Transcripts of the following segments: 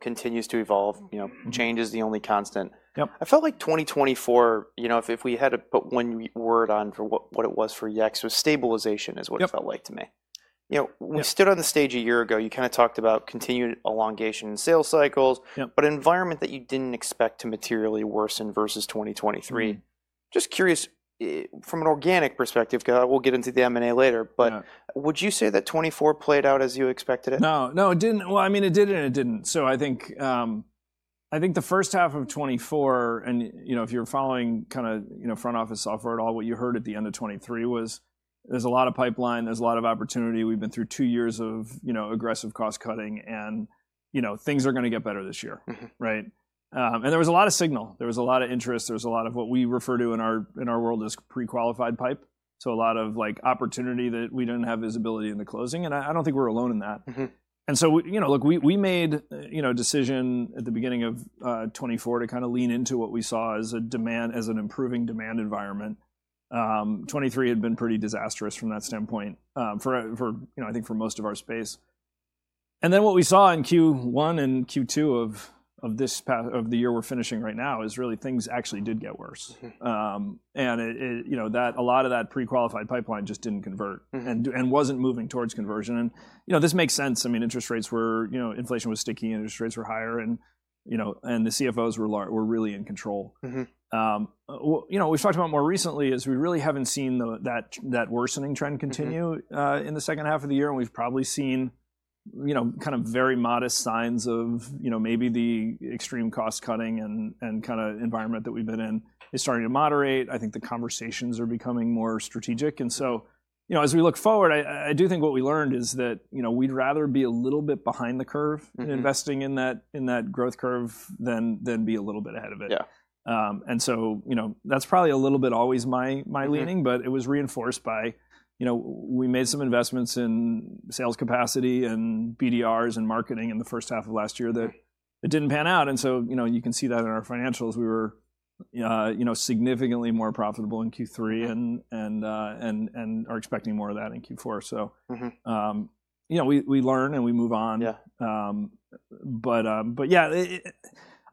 Continues to evolve, you know, change is the only constant. Yep. I felt like 2024, you know, if we had to put one word on for what it was for Yext, it was stabilization, is what it felt like to me. Yeah. You know, we stood on the stage a year ago, you kind of talked about continued elongation in sales cycles. Yep. But an environment that you didn't expect to materially worsen versus 2023. Mm-hmm. Just curious, from an organic perspective, 'cause I will get into the M&A later, but would you say that 2024 played out as you expected it? No, no, it didn't. Well, I mean, it did and it didn't. I think the first half of 2024, and, you know, if you're following kind of, you know, front office software at all, what you heard at the end of 2023 was there's a lot of pipeline, there's a lot of opportunity. We've been through two years of, you know, aggressive cost cutting and, you know, things are gonna get better this year. Mm-hmm. Right? And there was a lot of signal, there was a lot of interest, there was a lot of what we refer to in our world as pre-qualified pipe. So a lot of like opportunity that we didn't have visibility in the closing. And I don't think we're alone in that. Mm-hmm. And so we, you know, look, we made, you know, a decision at the beginning of 2024 to kind of lean into what we saw as a demand, as an improving demand environment. 2023 had been pretty disastrous from that standpoint, for you know, I think for most of our space. And then what we saw in Q1 and Q2 of this past year we're finishing right now is really things actually did get worse. Mm-hmm. And it, you know, that a lot of that pre-qualified pipeline just didn't convert. Mm-hmm. It wasn't moving towards conversion. You know, this makes sense. I mean, interest rates were, you know, inflation was sticky, interest rates were higher, and you know, the CFOs were really in control. Mm-hmm. Well, you know, what we've talked about more recently is we really haven't seen that worsening trend continue. Mm-hmm. In the second half of the year. And we've probably seen, you know, kind of very modest signs of, you know, maybe the extreme cost cutting and kind of environment that we've been in is starting to moderate. I think the conversations are becoming more strategic. And so, you know, as we look forward, I do think what we learned is that, you know, we'd rather be a little bit behind the curve. Mm-hmm. In investing in that growth curve than be a little bit ahead of it. Yeah. And so, you know, that's probably a little bit always my leaning, but it was reinforced by, you know, we made some investments in sales capacity and BDRs and marketing in the first half of last year that it didn't pan out. And so, you know, you can see that in our financials. We were, you know, significantly more profitable in Q3 and are expecting more of that in Q4. So. Mm-hmm. You know, we learn and we move on. Yeah. but yeah,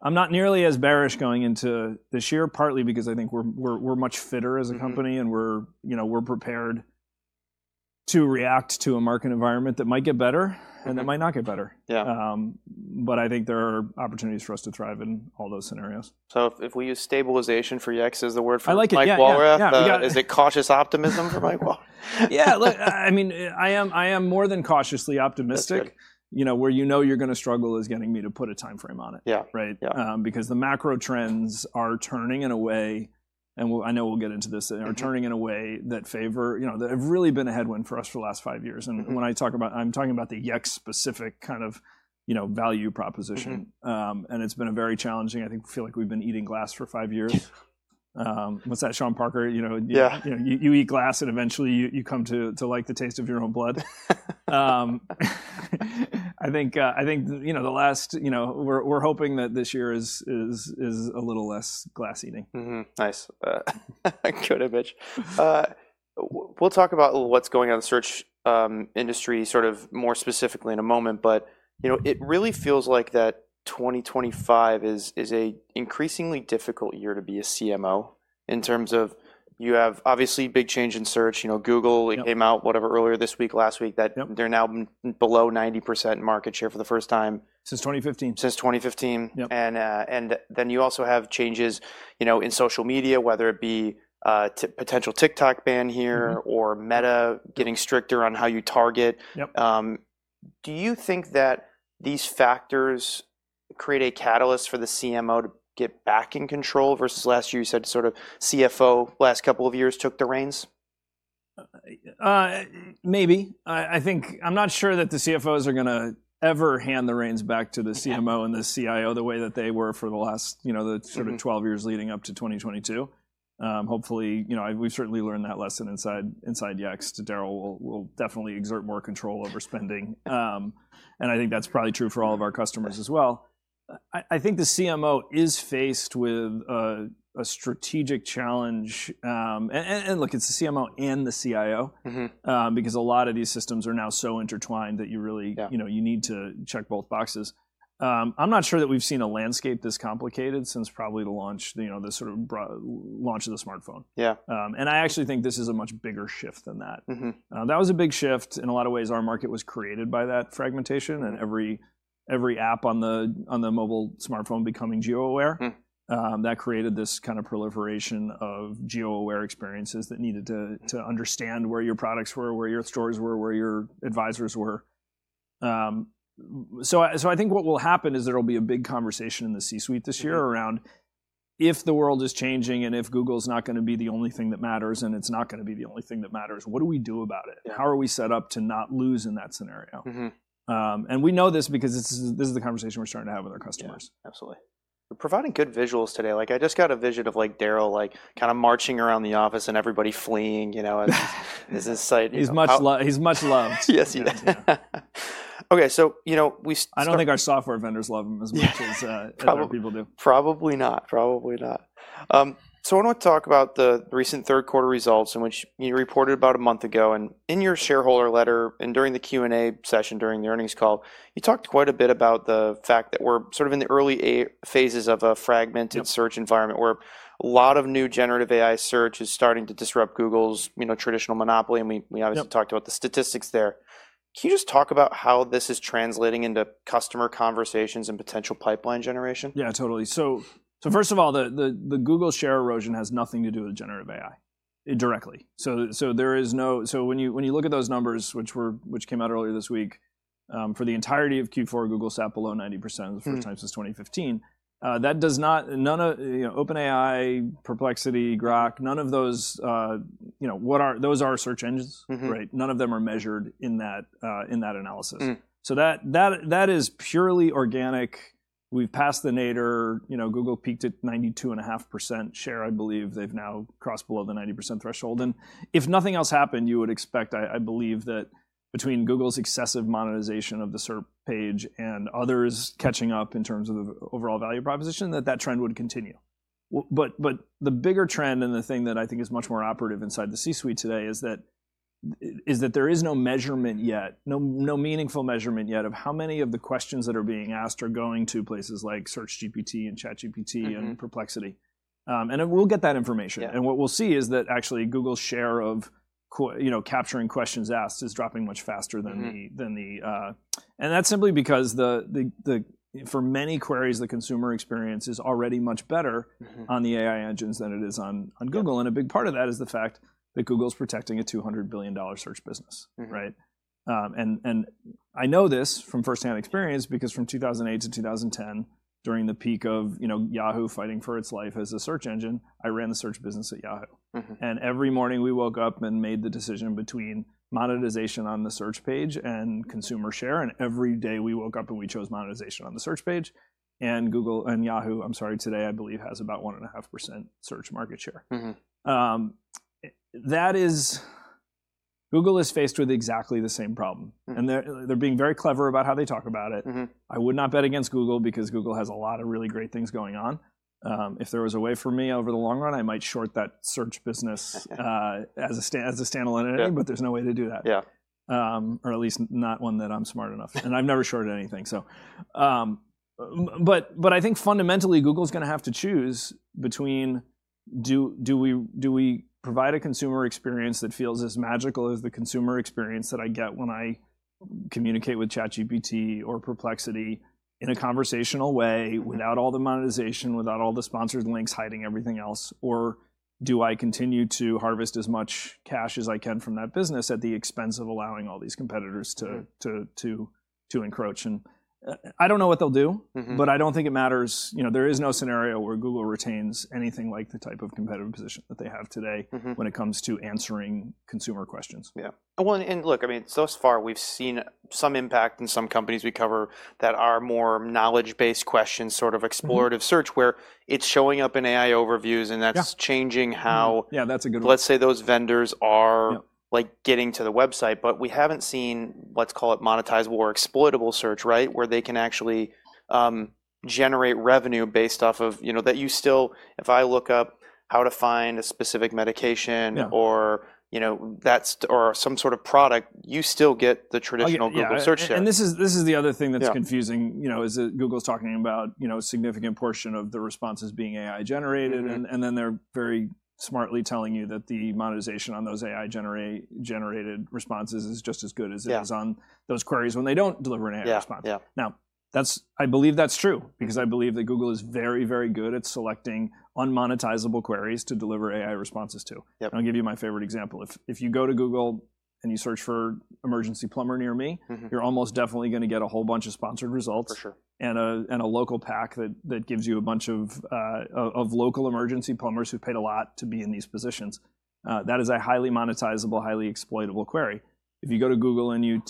I'm not nearly as bearish going into this year, partly because I think we're much fitter as a company and you know, we're prepared to react to a market environment that might get better and that might not get better. Yeah. But I think there are opportunities for us to thrive in all those scenarios. If we use stabilization for Yext as the word for. I like it. Mike Walrath, is it cautious optimism for Mike Walrath? Yeah. Look, I mean, I am, I am more than cautiously optimistic. Perfect. You know, where you know you're gonna struggle is getting me to put a timeframe on it. Yeah. Right? Yeah. Because the macro trends are turning in a way, and I know we'll get into this, are turning in a way that favor, you know, that have really been a headwind for us for the last five years. And when I talk about, I'm talking about the Yext-specific kind of, you know, value proposition. Mm-hmm. And it's been a very challenging, I think. Feel like we've been eating glass for five years. Yeah. What's that, Sean Parker, you know? Yeah. You know, you eat glass and eventually you come to like the taste of your own blood. I think you know, the last year, you know, we're hoping that this year is a little less glass eating. Mm-hmm. Nice. Good image. We'll talk about what's going on in the search industry sort of more specifically in a moment. But you know, it really feels like 2025 is a increasingly difficult year to be a CMO in terms of you have obviously big change in search. You know, Google came out, whatever, earlier this week, last week, that they're now below 90% market share for the first time. Since 2015. Since 2015. Yep. Then you also have changes, you know, in social media, whether it be potential TikTok ban here or Meta getting stricter on how you target. Yep. Do you think that these factors create a catalyst for the CMO to get back in control versus last year? You said sort of CFO last couple of years took the reins? Maybe. I think I'm not sure that the CFOs are gonna ever hand the reins back to the CMO and the CIO the way that they were for the last, you know, the sort of 12 years leading up to 2022. Hopefully, you know, we've certainly learned that lesson inside Yext too. Darryl will definitely exert more control over spending. I think that's probably true for all of our customers as well. I think the CMO is faced with a strategic challenge. Look, it's the CMO and the CIO. Mm-hmm. Because a lot of these systems are now so intertwined that you really. Yeah. You know, you need to check both boxes. I'm not sure that we've seen a landscape this complicated since probably the launch, you know, the sort of iPhone launch of the smartphone. Yeah. And I actually think this is a much bigger shift than that. Mm-hmm. That was a big shift. In a lot of ways, our market was created by that fragmentation and every app on the mobile smartphone becoming geo-aware. Mm-hmm. That created this kind of proliferation of geo-aware experiences that needed to understand where your products were, where your stores were, where your advisors were, so I think what will happen is there'll be a big conversation in the C-suite this year around if the world is changing and if Google's not gonna be the only thing that matters and it's not gonna be the only thing that matters, what do we do about it? Yeah. How are we set up to not lose in that scenario? Mm-hmm. We know this because this is the conversation we're starting to have with our customers. Yeah. Absolutely. You're providing good visuals today. Like I just got a vision of like Darryl, like kind of marching around the office and everybody fleeing, you know, and it's tight? He's much loved. He's much loved. Yes, he is. Okay. So, you know, we. I don't think our software vendors love him as much as other people do. Probably not. Probably not. So I wanna talk about the recent third quarter results in which you reported about a month ago. And in your shareholder letter and during the Q&A session during the earnings call, you talked quite a bit about the fact that we're sort of in the early phases of a fragmented search environment where a lot of new generative AI search is starting to disrupt Google's, you know, traditional monopoly. And we, we obviously talked about the statistics there. Can you just talk about how this is translating into customer conversations and potential pipeline generation? Yeah, totally. So first of all, the Google share erosion has nothing to do with generative AI directly. So there is no, so when you look at those numbers, which came out earlier this week, for the entirety of Q4, Google sat below 90% for the first time since 2015. That does not, none of, you know, OpenAI, Perplexity, Grok, none of those, you know, what are those are search engines. Mm-hmm. Right? None of them are measured in that, in that analysis. Mm-hmm. So that is purely organic. We've passed the nadir. You know, Google peaked at 92.5% share. I believe they've now crossed below the 90% threshold. And if nothing else happened, you would expect. I believe that between Google's excessive monetization of the SERP page and others catching up in terms of the overall value proposition, that trend would continue. But the bigger trend and the thing that I think is much more operative inside the C-suite today is that there is no measurement yet, no meaningful measurement yet of how many of the questions that are being asked are going to places like SearchGPT and ChatGPT and Perplexity. Mm-hmm. We'll get that information. Yeah. What we'll see is that actually Google's share of, you know, capturing questions asked is dropping much faster than the, and that's simply because the for many queries, the consumer experience is already much better. Mm-hmm. On the AI engines than it is on Google. And a big part of that is the fact that Google's protecting a $200 billion search business. Mm-hmm. Right? And I know this from firsthand experience because from 2008 to 2010, during the peak of, you know, Yahoo fighting for its life as a search engine, I ran the search business at Yahoo. Mm-hmm. And every morning we woke up and made the decision between monetization on the search page and consumer share. And every day we woke up and we chose monetization on the search page and Google and Yahoo. I'm sorry, today I believe has about 1.5% search market share. Mm-hmm. That is, Google is faced with exactly the same problem. Mm-hmm. They're being very clever about how they talk about it. Mm-hmm. I would not bet against Google because Google has a lot of really great things going on. If there was a way for me over the long run, I might short that search business, as a standalone entity, but there's no way to do that. Yeah. Or at least not one that I'm smart enough. And I've never shorted anything. So, but I think fundamentally Google's gonna have to choose between do we provide a consumer experience that feels as magical as the consumer experience that I get when I communicate with ChatGPT or Perplexity in a conversational way without all the monetization, without all the sponsored links hiding everything else? Or do I continue to harvest as much cash as I can from that business at the expense of allowing all these competitors to encroach? And I don't know what they'll do. Mm-hmm. But I don't think it matters. You know, there is no scenario where Google retains anything like the type of competitive position that they have today. Mm-hmm. When it comes to answering consumer questions. Yeah. Well, and look, I mean, so far we've seen some impact in some companies we cover that are more knowledge-based questions, sort of exploratory search where it's showing up in AI Overviews and that's changing how. Yeah. That's a good one. Let's say those vendors are. Yeah. Like getting to the website, but we haven't seen, let's call it monetizable or exploitable search, right? Where they can actually generate revenue based off of, you know, that you still, if I look up how to find a specific medication. Yeah. Or, you know, that's or some sort of product. You still get the traditional Google search there. This is the other thing that's confusing, you know, is that Google's talking about, you know, a significant portion of the responses being AI generated. Mm-hmm. They're very smartly telling you that the monetization on those AI generated responses is just as good as it is on. Yeah. Those queries when they don't deliver an AI response. Yeah. Now I believe that's true because I believe that Google is very, very good at selecting unmonetizable queries to deliver AI responses to. Yep. I'll give you my favorite example. If you go to Google and you search for emergency plumber near me. Mm-hmm. You're almost definitely gonna get a whole bunch of sponsored results. For sure. A Local Pack that gives you a bunch of local emergency plumbers who've paid a lot to be in these positions. That is a highly monetizable, highly exploitable query. If you go to Google and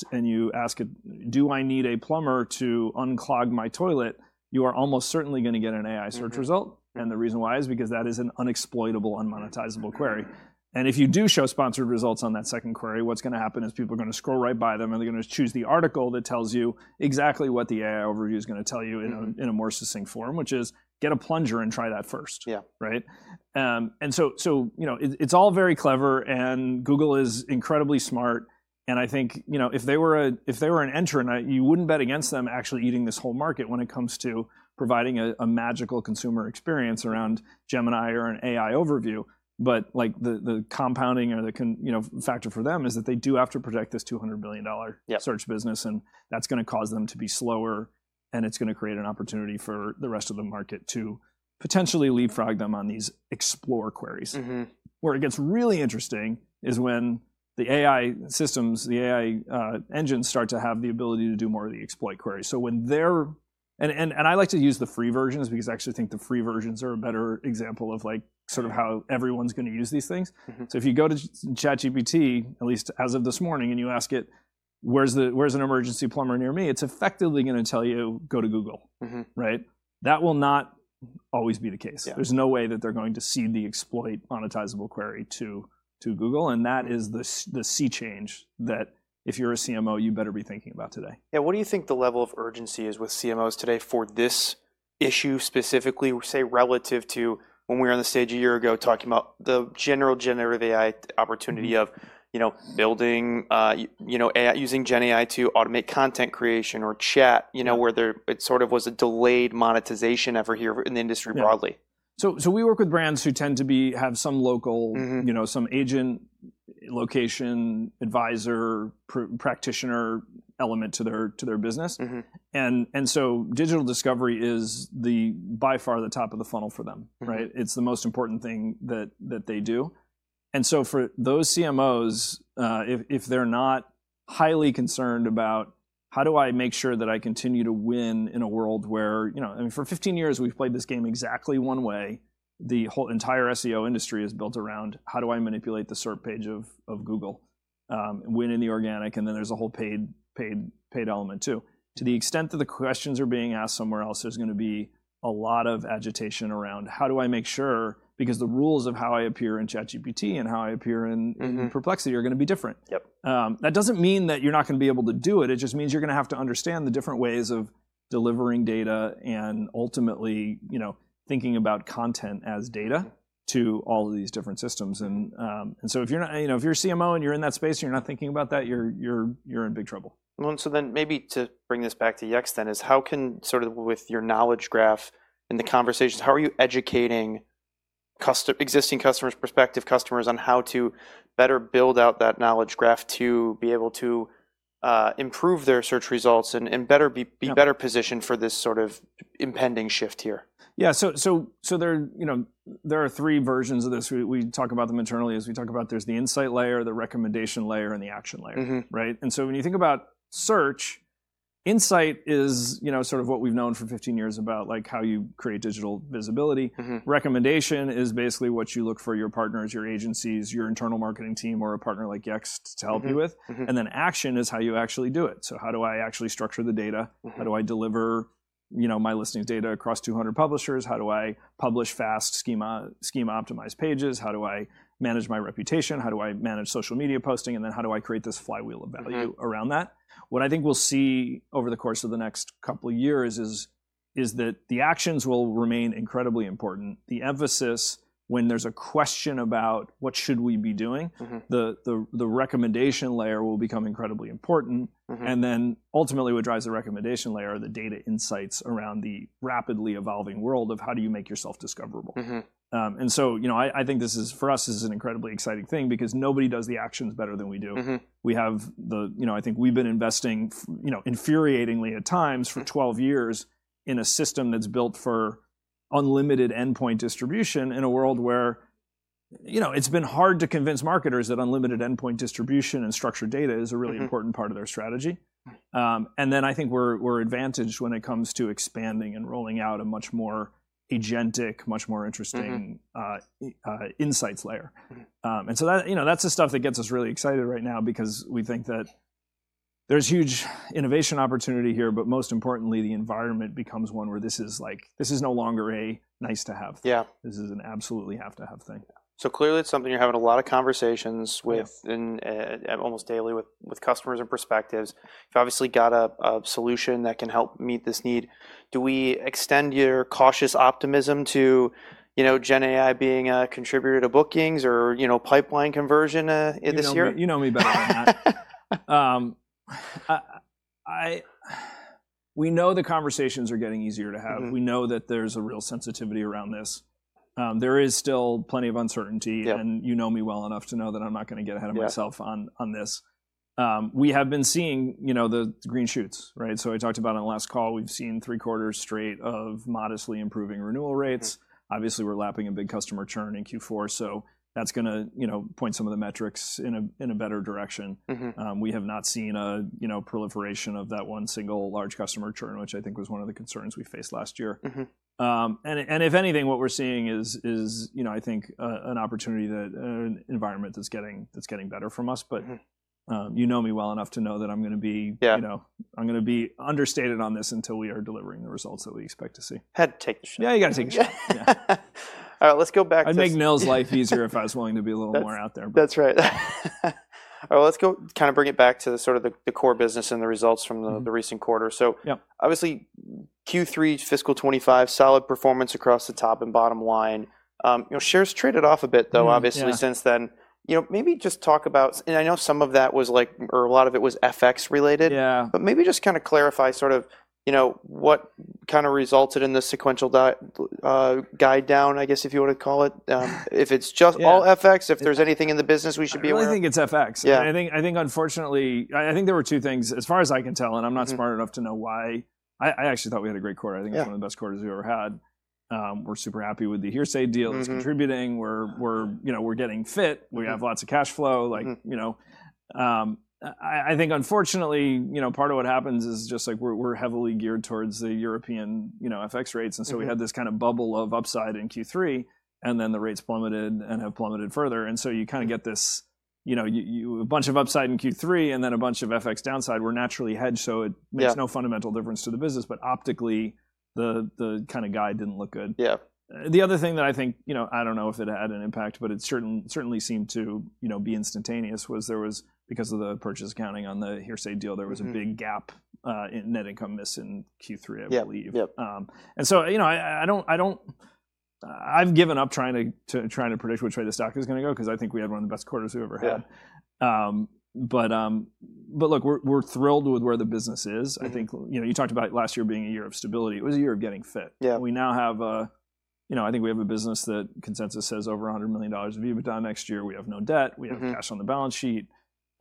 ask it, "Do I need a plumber to unclog my toilet," you are almost certainly gonna get an AI search result. Mm-hmm. The reason why is because that is an unexploitable, unmonetizable query. If you do show sponsored results on that second query, what's gonna happen is people are gonna scroll right by them and they're gonna choose the article that tells you exactly what the AI Overview is gonna tell you in a more succinct form, which is get a plunger and try that first. Yeah. Right? So, you know, it's all very clever and Google is incredibly smart. I think, you know, if they were an entrant, you wouldn't bet against them actually eating this whole market when it comes to providing a magical consumer experience around Gemini or an AI Overview. Like, the constraining, you know, factor for them is that they do have to protect this $200 billion. Yeah. Search business, and that's gonna cause them to be slower and it's gonna create an opportunity for the rest of the market to potentially leapfrog them on these explore queries. Mm-hmm. Where it gets really interesting is when the AI systems, the AI engines start to have the ability to do more of the exploit queries. So when they're, I like to use the free versions because I actually think the free versions are a better example of like sort of how everyone's gonna use these things. Mm-hmm. So if you go to ChatGPT, at least as of this morning, and you ask it, where's an emergency plumber near me? It's effectively gonna tell you, go to Google. Mm-hmm. Right? That will not always be the case. Yeah. There's no way that they're going to see the exploit monetizable query to Google, and that is the sea change that if you're a CMO, you better be thinking about today. Yeah. What do you think the level of urgency is with CMOs today for this issue specifically, say relative to when we were on the stage a year ago talking about the general generative AI opportunity of, you know, building, you know, AI using Gen AI to automate content creation or chat, you know, where there, it sort of was a delayed monetization ever here in the industry broadly? We work with brands who tend to be, have some local. Mm-hmm. You know, some agent location advisor practitioner element to their business. Mm-hmm. Digital discovery is by far the top of the funnel for them. Mm-hmm. Right? It's the most important thing that they do. And so for those CMOs, if they're not highly concerned about how do I make sure that I continue to win in a world where, you know, I mean, for 15 years we've played this game exactly one way. The whole entire SEO industry is built around how do I manipulate the SERP page of Google, win in the organic. And then there's a whole paid element too. To the extent that the questions are being asked somewhere else, there's gonna be a lot of agitation around how do I make sure because the rules of how I appear in ChatGPT and how I appear in Perplexity are gonna be different. Yep. that doesn't mean that you're not gonna be able to do it. It just means you're gonna have to understand the different ways of delivering data and ultimately, you know, thinking about content as data to all of these different systems. And so if you're not, you know, if you're a CMO and you're in that space and you're not thinking about that, you're in big trouble. Well, and so then maybe to bring this back to Yext then is how can sort of with your Knowledge Graph and the conversations, how are you educating current existing customers, prospective customers on how to better build out that Knowledge Graph to be able to improve their search results and better positioned for this sort of impending shift here? Yeah. So, you know, there are three versions of this. We talk about them internally. There's the Insight Layer, the Recommendation Layer, and the Action Layer. Mm-hmm. Right? And so when you think about search, insight is, you know, sort of what we've known for 15 years about like how you create digital visibility. Mm-hmm. Recommendation is basically what you look for your partners, your agencies, your internal marketing team, or a partner like Yext to help you with. Mm-hmm. And then action is how you actually do it. So how do I actually structure the data? Mm-hmm. How do I deliver, you know, my listening data across 200 publishers? How do I publish fast Schema, Schema optimized pages? How do I manage my reputation? How do I manage social media posting? And then how do I create this flywheel of value around that? What I think we'll see over the course of the next couple of years is that the Actions will remain incredibly important. The emphasis when there's a question about what should we be doing. Mm-hmm. The Recommendation Layer will become incredibly important. Mm-hmm. And then, ultimately, what drives the Recommendation Layer are the data insights around the rapidly evolving world of how do you make yourself discoverable. Mm-hmm. And so, you know, I, I think this is, for us, this is an incredibly exciting thing because nobody does the Actions better than we do. Mm-hmm. We have the, you know, I think we've been investing, you know, infuriatingly at times for 12 years in a system that's built for unlimited endpoint distribution in a world where, you know, it's been hard to convince marketers that unlimited endpoint distribution and structured data is a really important part of their strategy, and then I think we're advantaged when it comes to expanding and rolling out a much more agentic, much more interesting. Mm-hmm. Insights layer. Mm-hmm. And so that, you know, that's the stuff that gets us really excited right now because we think that there's huge innovation opportunity here, but most importantly, the environment becomes one where this is like, this is no longer a nice to have. Yeah. This is an absolute have to have thing. So clearly it's something you're having a lot of conversations with. Yes. Almost daily with customers and prospects. You've obviously got a solution that can help meet this need. Do we extend your cautious optimism to, you know, Gen AI being a contributor to bookings or, you know, pipeline conversion, this year? You know, you know me better than that. We know the conversations are getting easier to have. Mm-hmm. We know that there's a real sensitivity around this. There is still plenty of uncertainty. Yeah. And you know me well enough to know that I'm not gonna get ahead of myself on this. We have been seeing, you know, the green shoots, right? So I talked about on the last call, we've seen three quarters straight of modestly improving renewal rates. Mm-hmm. Obviously we're lapping a big customer churn in Q4. So that's gonna, you know, point some of the metrics in a better direction. Mm-hmm. We have not seen a, you know, proliferation of that one single large customer churn, which I think was one of the concerns we faced last year. Mm-hmm. If anything, what we're seeing is, you know, I think, an opportunity, an environment that's getting better for us. But. Mm-hmm. You know me well enough to know that I'm gonna be. Yeah. You know, I'm gonna be understated on this until we are delivering the results that we expect to see. Had to take the shot. Yeah. You gotta take the shot. Yeah. All right. Let's go back to. I'd make Nils' life easier if I was willing to be a little more out there. That's right. All right. Let's go kind of bring it back to the sort of core business and the results from the recent quarter. So. Yeah. Obviously, Q3 fiscal 2025, solid performance across the top and bottom line. You know, shares traded off a bit though, obviously since then. Yeah. You know, maybe just talk about, and I know some of that was like, or a lot of it was FX related. Yeah. But maybe just kind of clarify sort of, you know, what kind of resulted in the sequential guide down, I guess, if you wanna call it. If it's just all FX, if there's anything in the business we should be aware of. I think it's FX. Yeah. I think unfortunately, I think there were two things as far as I can tell, and I'm not smart enough to know why. I actually thought we had a great quarter. Yeah. I think it's one of the best quarters we've ever had. We're super happy with the Hearsay deal. Mm-hmm. It's contributing. We're, you know, getting fit. Yeah. We have lots of cash flow. Like, you know, I, I think unfortunately, you know, part of what happens is just like we're heavily geared towards the European, you know, FX rates. Mm-hmm. And so we had this kind of bubble of upside in Q3 and then the rates plummeted and have plummeted further. And so you kind of get this, you know, a bunch of upside in Q3 and then a bunch of FX downside. We're naturally hedged, so it makes no fundamental difference to the business, but optically the kind of guide didn't look good. Yeah. The other thing that I think, you know, I don't know if it had an impact, but it certainly seemed to, you know, be instantaneous was there was, because of the purchase accounting on the Hearsay deal, there was a big gap in net income miss in Q3, I believe. Yeah. Yep. And so, you know, I don't. I've given up trying to predict which way the stock is gonna go 'cause I think we had one of the best quarters we've ever had. Yeah. But look, we're thrilled with where the business is. Mm-hmm. I think, you know, you talked about last year being a year of stability. It was a year of getting fit. Yeah. We now have, you know, I think we have a business that consensus says over $100 million of EBITDA next year. We have no debt. Mm-hmm. We have cash on the balance sheet.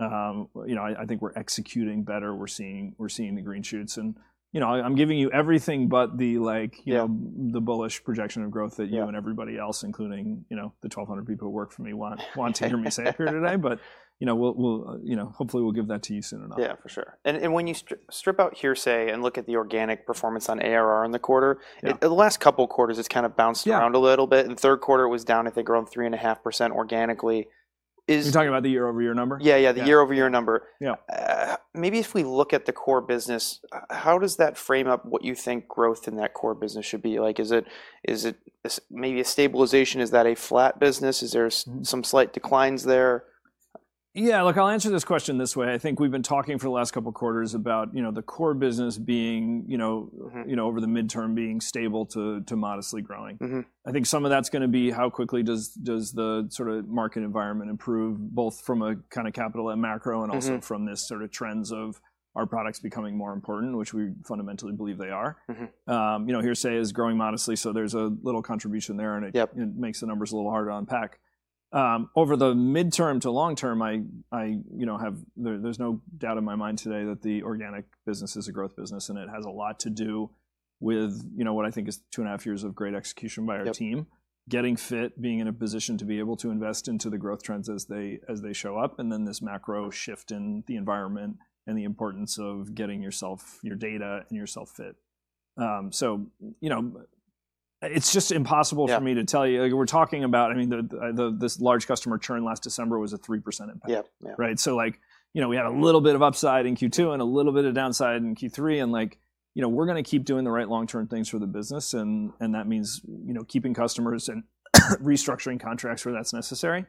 You know, I, I think we're executing better. We're seeing, we're seeing the green shoots, and you know, I, I'm giving you everything but the, like, you know. Yeah. The bullish projection of growth that you and everybody else, including, you know, the 1,200 people who work for me, want to hear me say up here today. But, you know, we'll, you know, hopefully we'll give that to you soon enough. Yeah. For sure. And when you strip out Hearsay and look at the organic performance on ARR in the quarter. Yeah. In the last couple quarters, it's kind of bounced around a little bit. Yeah. Third quarter it was down, I think, around 3.5% organically. You're talking about the year-over-year number? Yeah. Yeah. The year-over-year number. Yeah. Maybe if we look at the core business, how does that frame up what you think growth in that core business should be? Like, is it, is it maybe a stabilization? Is that a flat business? Is there some slight declines there? Yeah. Look, I'll answer this question this way. I think we've been talking for the last couple quarters about, you know, the core business being, you know. Mm-hmm. You know, over the midterm being stable to modestly growing. Mm-hmm. I think some of that's gonna be how quickly does the sort of market environment improve both from a kind of capital and macro and also from this sort of trends of our products becoming more important, which we fundamentally believe they are. Mm-hmm. You know, Hearsay is growing modestly, so there's a little contribution there and it. Yep. It makes the numbers a little harder to unpack. Over the mid- to long term, I, you know, there's no doubt in my mind today that the organic business is a growth business and it has a lot to do with, you know, what I think is two and a half years of great execution by our team. Yep. Getting fit, being in a position to be able to invest into the growth trends as they show up, and then this macro shift in the environment and the importance of getting yourself, your data and yourself fit, so you know, it's just impossible for me to tell you. Like, we're talking about, I mean, this large customer churn last December was a 3% impact. Yep. Yep. Right? So like, you know, we had a little bit of upside in Q2 and a little bit of downside in Q3, and like, you know, we're gonna keep doing the right long-term things for the business, and that means, you know, keeping customers and restructuring contracts where that's necessary,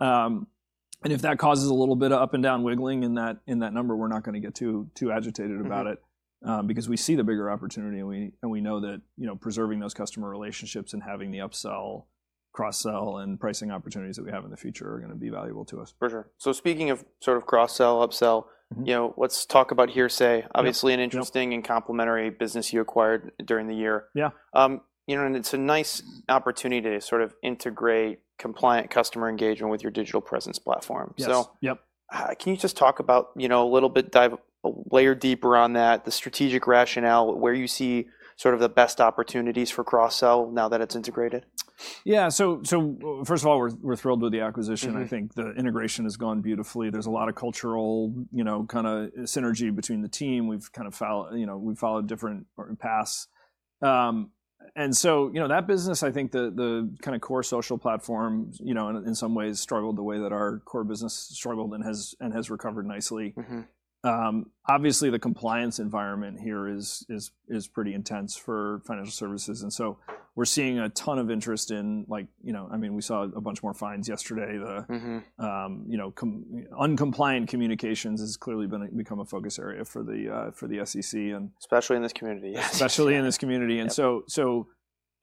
and if that causes a little bit of up and down wiggling in that number, we're not gonna get too agitated about it. Mm-hmm. Because we see the bigger opportunity and we know that, you know, preserving those customer relationships and having the upsell, cross-sell, and pricing opportunities that we have in the future are gonna be valuable to us. For sure. So speaking of sort of cross-sell, upsell. Mm-hmm. You know, let's talk about Hearsay. Yeah. Obviously an interesting and complementary business you acquired during the year. Yeah. You know, and it's a nice opportunity to sort of integrate compliant customer engagement with your digital presence platform. Yes. So. Yep. Can you just talk about, you know, a little bit dive a layer deeper on that, the strategic rationale, where you see sort of the best opportunities for cross-sell now that it's integrated? Yeah. So first of all, we're thrilled with the acquisition. Mm-hmm. I think the integration has gone beautifully. There's a lot of cultural, you know, kind of synergy between the team. We've kind of, you know, we've followed different paths, and so, you know, that business, I think the kind of core social platform, you know, in some ways struggled the way that our core business struggled and has recovered nicely. Mm-hmm. Obviously the compliance environment here is pretty intense for financial services, and so we're seeing a ton of interest in, like, you know, I mean, we saw a bunch more fines yesterday. The. Mm-hmm. You know, noncompliant communications has clearly become a focus area for the SEC and. Especially in this community. Especially in this community. And so,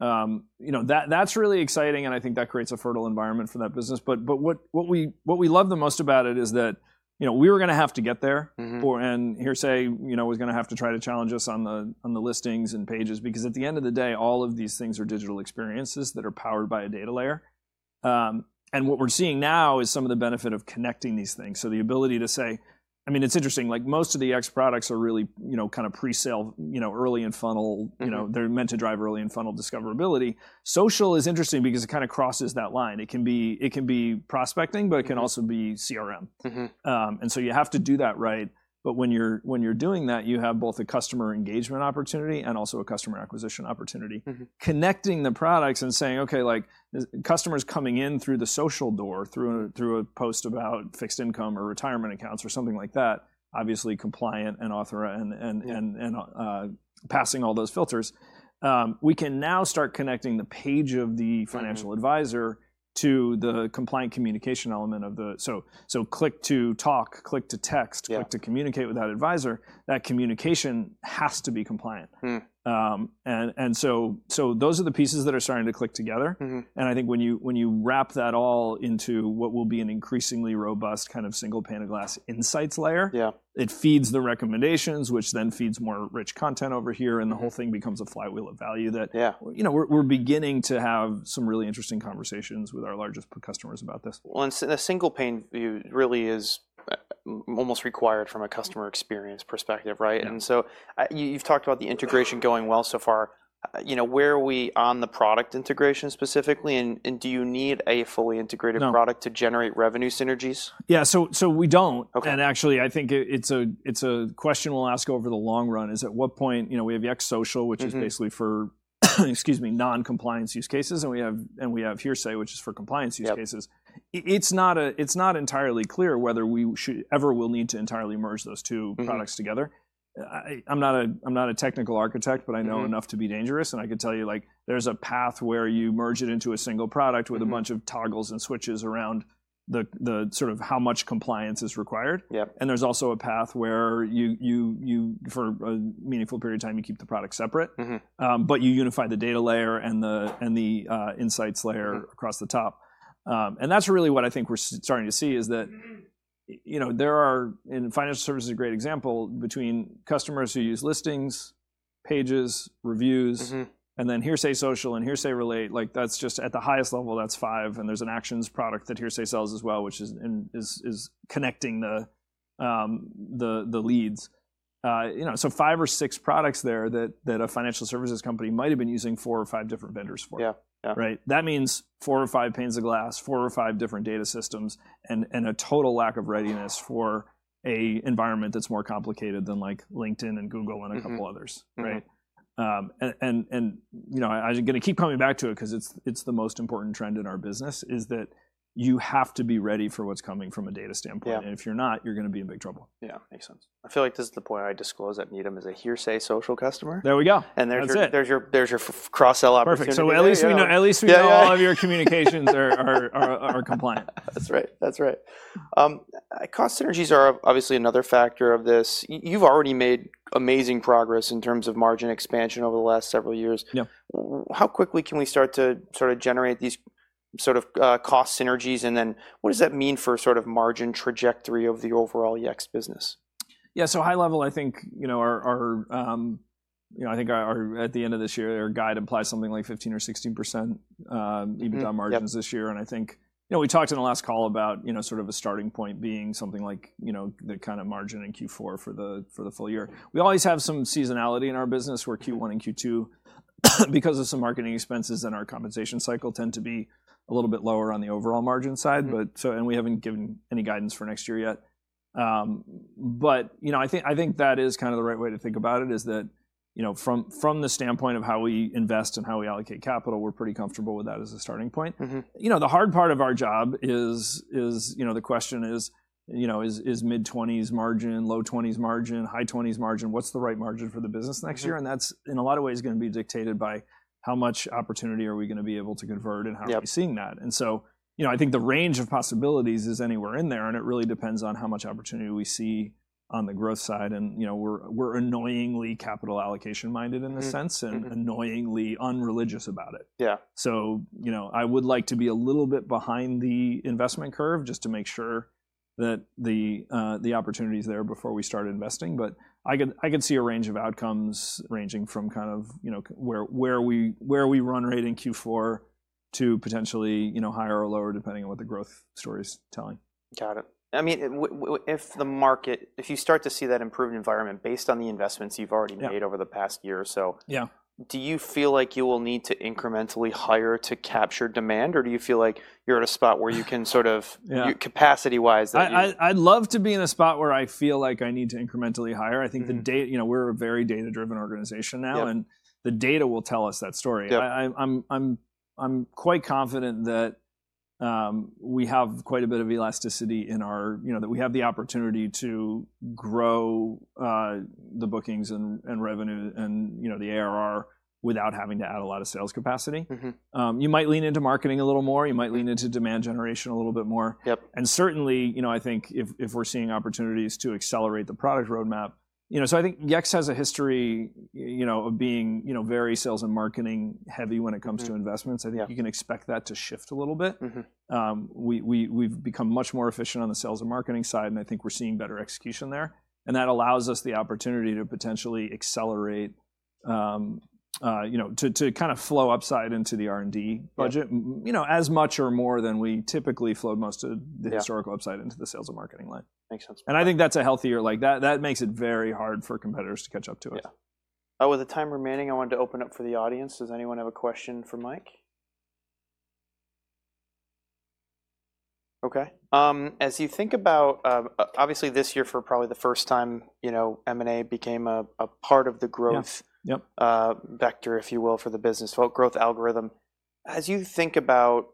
you know, that's really exciting. And I think that creates a fertile environment for that business. But what we love the most about it is that, you know, we were gonna have to get there. Mm-hmm. Or, and Hearsay, you know, was gonna have to try to challenge us on the Listings and Pages because at the end of the day, all of these things are digital experiences that are powered by a data layer, and what we're seeing now is some of the benefit of connecting these things. So the ability to say, I mean, it's interesting, like most of the Yext products are really, you know, kind of presale, you know, early in funnel. Mm-hmm. You know, they're meant to drive early in funnel discoverability. Social is interesting because it kind of crosses that line. It can be prospecting, but it can also be CRM. Mm-hmm. And so you have to do that right. But when you're doing that, you have both a customer engagement opportunity and also a customer acquisition opportunity. Mm-hmm. Connecting the products and saying, okay, like customers coming in through the social door, through a post about fixed income or retirement accounts or something like that, obviously compliant and authored and passing all those filters. We can now start connecting the page of the financial advisor to the compliant communication element of the, so click to talk, click to text. Yeah. Click to communicate with that advisor. That communication has to be compliant, and so those are the pieces that are starting to click together. Mm-hmm. I think when you, when you wrap that all into what will be an increasingly robust kind of single pane of glass insights layer. Yeah. It feeds the recommendations, which then feeds more rich content over here and the whole thing becomes a flywheel of value that. Yeah. You know, we're beginning to have some really interesting conversations with our largest customers about this. Well, and a single pane view really is almost required from a customer experience perspective, right? Yeah. You've talked about the integration going well so far. You know, where are we on the product integration specifically? Do you need a fully integrated product to generate revenue synergies? Yeah, so we don't. Okay. Actually, I think it's a question we'll ask over the long run: is at what point, you know, we have Yext Social, which is basically for, excuse me, non-compliance use cases. And we have Hearsay, which is for compliance use cases. Yeah. It's not entirely clear whether we should ever will need to entirely merge those two products together. Mm-hmm. I'm not a technical architect, but I know enough to be dangerous. I could tell you, like there's a path where you merge it into a single product with a bunch of toggles and switches around the sort of how much compliance is required. Yep. There's also a path where you, for a meaningful period of time, you keep the product separate. Mm-hmm. But you unify the data layer and the Insight Layer across the top. And that's really what I think we're starting to see is that, you know, there are, and financial services is a great example between customers who use Listings, Pages, Reviews. Mm-hmm. And then Hearsay Social and Hearsay Relate. Like that's just at the highest level, that's five. And there's an Actions product that Hearsay sells as well, which is connecting the leads, you know, so five or six products there that a financial services company might've been using four or five different vendors for. Yeah. Yeah. Right? That means four or five panes of glass, four or five different data systems, and a total lack of readiness for an environment that's more complicated than like LinkedIn and Google and a couple others. Mm-hmm. Right? And you know, I'm gonna keep coming back to it 'cause it's the most important trend in our business is that you have to be ready for what's coming from a data standpoint. Yeah. If you're not, you're gonna be in big trouble. Yeah. Makes sense. I feel like this is the point I disclose that Needham is a Hearsay Social customer. There we go. There's your cross-sell opportunity. Perfect. So at least we know all of your communications are compliant. That's right. That's right. Cost synergies are obviously another factor of this. You've already made amazing progress in terms of margin expansion over the last several years. Yeah. How quickly can we start to sort of generate these sort of, cost synergies? And then what does that mean for sort of margin trajectory of the overall Yext business? Yeah, so high level, I think, you know, our guide at the end of this year implies something like 15% or 16% EBITDA margins this year. Mm-hmm. I think, you know, we talked in the last call about, you know, sort of a starting point being something like, you know, the kind of margin in Q4 for the, for the full-year. We always have some seasonality in our business where Q1 and Q2, because of some marketing expenses and our compensation cycle tend to be a little bit lower on the overall margin side. Mm-hmm. We haven't given any guidance for next year yet. But, you know, I think, I think that is kind of the right way to think about it is that, you know, from, from the standpoint of how we invest and how we allocate capital, we're pretty comfortable with that as a starting point. Mm-hmm. You know, the hard part of our job is, you know, the question is, you know, is mid-twenties margin, low-twenties margin, high-twenties margin, what's the right margin for the business next year? Mm-hmm. That's in a lot of ways gonna be dictated by how much opportunity are we gonna be able to convert and how. Yeah. Are we seeing that? And so, you know, I think the range of possibilities is anywhere in there. And it really depends on how much opportunity we see on the growth side. And, you know, we're annoyingly capital allocation-minded in a sense. Mm-hmm. Annoyingly unreligious about it. Yeah. So, you know, I would like to be a little bit behind the investment curve just to make sure that the opportunity's there before we start investing. But I could see a range of outcomes ranging from kind of, you know, where we run rate in Q4 to potentially, you know, higher or lower depending on what the growth story's telling. Got it. I mean, if the market, if you start to see that improved environment based on the investments you've already made over the past year or so. Yeah. Do you feel like you will need to incrementally hire to capture demand? Or do you feel like you're at a spot where you can sort of. Yeah. Capacity-wise that. I'd love to be in a spot where I feel like I need to incrementally hire. I think the data, you know, we're a very data-driven organization now. Yeah. The data will tell us that story. Yeah. I'm quite confident that we have quite a bit of elasticity in our, you know, that we have the opportunity to grow the bookings and revenue and, you know, the ARR without having to add a lot of sales capacity. Mm-hmm. You might lean into marketing a little more. You might lean into demand generation a little bit more. Yep. Certainly, you know, I think if we're seeing opportunities to accelerate the product roadmap, you know, so I think Yext has a history, you know, of being, you know, very sales and marketing heavy when it comes to investments. Yeah. I think you can expect that to shift a little bit. Mm-hmm. We've become much more efficient on the sales and marketing side, and I think we're seeing better execution there, and that allows us the opportunity to potentially accelerate, you know, to kind of flow upside into the R&D budget. Mm-hmm. You know, as much or more than we typically flowed most of the historical upside into the sales and marketing line. Makes sense. And I think that's a healthier, like that makes it very hard for competitors to catch up to us. Yeah. Oh, with the time remaining, I wanted to open up for the audience. Does anyone have a question for Mike? Okay. As you think about, obviously this year for probably the first time, you know, M&A became a, a part of the growth. Yep. Yep. Vector, if you will, for the business growth algorithm. As you think about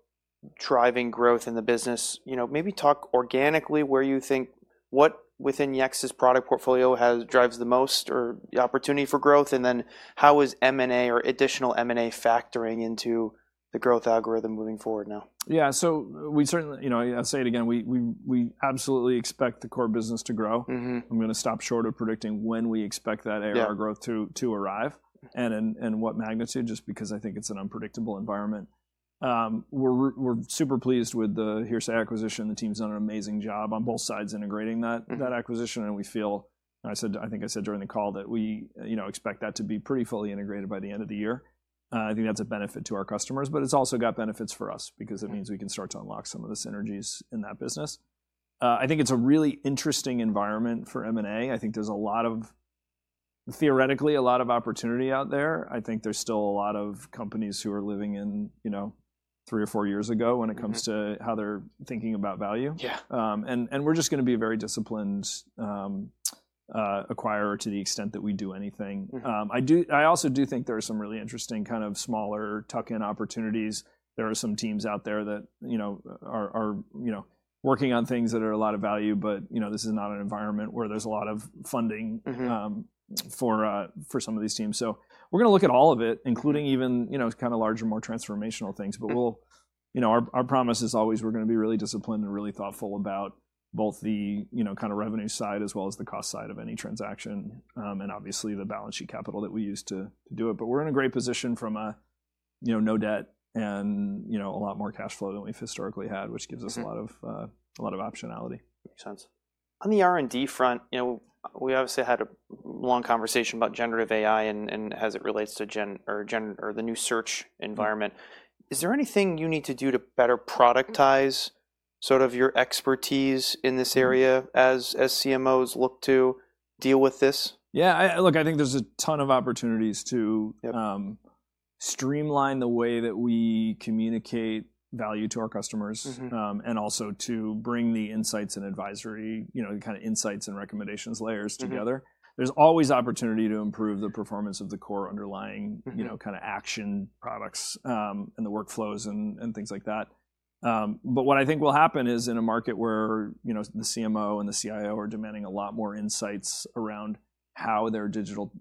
driving growth in the business, you know, maybe talk organically where you think what within Yext's product portfolio has driven the most or the opportunity for growth. And then how is M&A or additional M&A factoring into the growth algorithm moving forward now? Yeah. So we certainly, you know, I'll say it again. We absolutely expect the core business to grow. Mm-hmm. I'm gonna stop short of predicting when we expect that ARR growth to arrive and what magnitude just because I think it's an unpredictable environment. We're super pleased with the Hearsay acquisition. The team's done an amazing job on both sides integrating that acquisition. And we feel, and I said, I think I said during the call that we, you know, expect that to be pretty fully integrated by the end of the year. I think that's a benefit to our customers, but it's also got benefits for us because it means we can start to unlock some of the synergies in that business. I think it's a really interesting environment for M&A. I think there's a lot of, theoretically, a lot of opportunity out there. I think there's still a lot of companies who are living in, you know, three or four years ago when it comes to how they're thinking about value. Yeah. and we're just gonna be a very disciplined acquirer to the extent that we do anything. Mm-hmm. I do. I also do think there are some really interesting kind of smaller tuck-in opportunities. There are some teams out there that, you know, are, you know, working on things that are a lot of value, but, you know, this is not an environment where there's a lot of funding. Mm-hmm. For some of these teams. So we're gonna look at all of it, including even, you know, kind of larger, more transformational things. But we'll, you know, our promise is always we're gonna be really disciplined and really thoughtful about both the, you know, kind of revenue side as well as the cost side of any transaction. Mm-hmm. And obviously the balance sheet capital that we use to do it. But we're in a great position from a, you know, no debt and, you know, a lot more cash flow than we've historically had, which gives us a lot of optionality. Makes sense. On the R&D front, you know, we obviously had a long conversation about generative AI and as it relates to Gen AI or the new search environment. Is there anything you need to do to better productize sort of your expertise in this area as CMOs look to deal with this? Yeah. Look, I think there's a ton of opportunities to. Yep. streamline the way that we communicate value to our customers. Mm-hmm. and also to bring the insights and advisory, you know, the kind of insights and recommendations layers together. Mm-hmm. There's always opportunity to improve the performance of the core underlying. Mm-hmm. You know, kind of action products, and the workflows and things like that. But what I think will happen is in a market where, you know, the CMO and the CIO are demanding a lot more insights around how their digital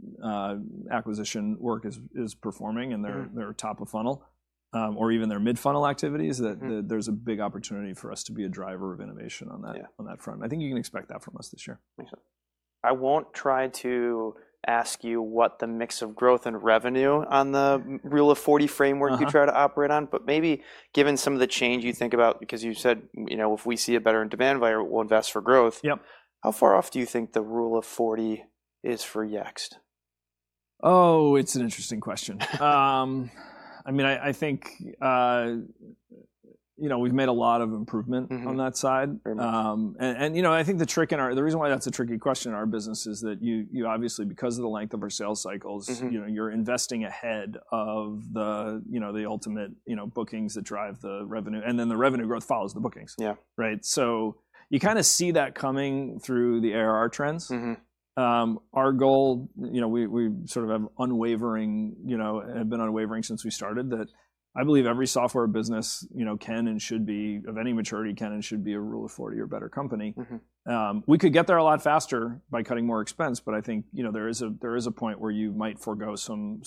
acquisition work is performing and their top of funnel, or even their mid-funnel activities. Mm-hmm. That there's a big opportunity for us to be a driver of innovation on that. Yeah. On that front, I think you can expect that from us this year. Makes sense. I won't try to ask you what the mix of growth and revenue on the Rule of 40 framework you try to operate on. Mm-hmm. But maybe given some of the change you think about, because you said, you know, if we see a better demand environment, we'll invest for growth. Yep. How far off do you think the Rule of 40 is for Yext? Oh, it's an interesting question. I mean, I think, you know, we've made a lot of improvement. Mm-hmm. On that side. Very much. you know, I think the trick in our business is that you obviously, because of the length of our sales cycles. Mm-hmm. You know, you're investing ahead of the, you know, the ultimate, you know, bookings that drive the revenue, and then the revenue growth follows the bookings. Yeah. Right? So you kind of see that coming through the ARR trends. Mm-hmm. Our goal, you know, we, we sort of have unwavering, you know, have been unwavering since we started that I believe every software business, you know, can and should be, of any maturity can and should be a Rule of 40 or better company. Mm-hmm. We could get there a lot faster by cutting more expense. But I think, you know, there is a point where you might forego some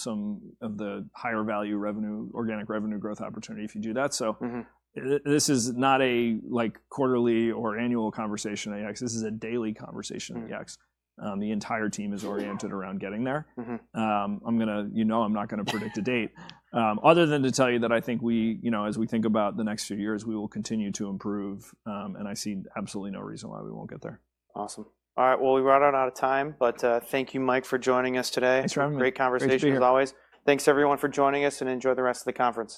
of the higher value revenue, organic revenue growth opportunity if you do that. So. Mm-hmm. This is not a, like, quarterly or annual conversation at Yext. This is a daily conversation at Yext. Mm-hmm. The entire team is oriented around getting there. Mm-hmm. I'm gonna, you know, I'm not gonna predict a date, other than to tell you that I think we, you know, as we think about the next few years, we will continue to improve. And I see absolutely no reason why we won't get there. Awesome. All right. Well, we're running out of time, but, thank you, Mike, for joining us today. Thanks for having me. Great conversation as always. Appreciate it. Thanks everyone for joining us and enjoy the rest of the conversation.